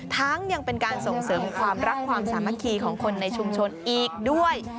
ยังเป็นการส่งเสริมความรักความสามัคคีของคนในชุมชนอีกด้วย